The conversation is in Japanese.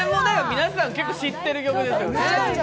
皆さん、結構知ってる曲ですよね。